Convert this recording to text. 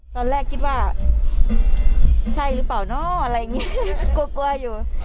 ตอนแรกคิดว่าใช่หรือเปล่าเนอะอะไรอย่างนี้กลัวกลัวอยู่